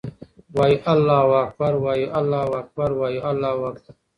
وایو الله اکــبر، وایو الله اکـــبر، وایـــــو الله اکــــــــبر